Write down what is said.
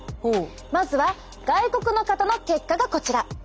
まずは外国の方の結果がこちら。